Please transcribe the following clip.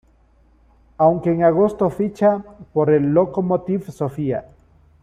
Aunque en agosto ficha por el Lokomotiv Sofia.